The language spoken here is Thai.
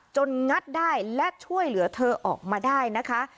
งัดได้และช่วยเหลือเธอออกมาได้นะคะ